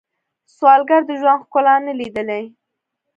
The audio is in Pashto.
سوالګر د ژوند ښکلا نه لیدلې